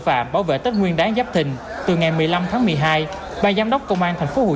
phạm bảo vệ tết nguyên đáng giáp thình từ ngày một mươi năm tháng một mươi hai ban giám đốc công an thành phố hồ